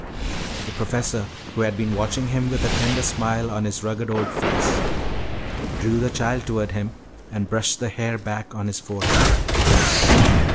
The professor, who had been watching him with a tender smile on his rugged old face, drew the child toward him, and brushed the hair back on his forehead.